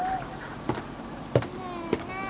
ねえねえ